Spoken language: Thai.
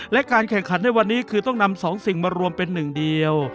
และการแข่งขันในวันนี้คือต้องนำสองสิ่งมารวมเป็นหนึ่งเดียว